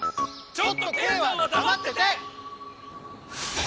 ちょっとケイさんはだまってて！